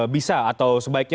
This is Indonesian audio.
bisa atau sebaiknya